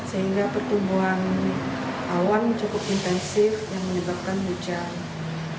sehingga pertumbuhan awan cukup intensif yang menyebabkan hujan